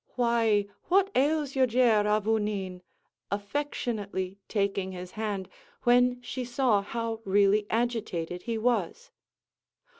"Why, what ails you, Jer a vous neen?" affectionately taking his hand, when she saw how really agitated he was.